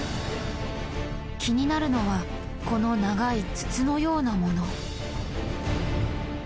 気になるのはこの長い筒のようなもの。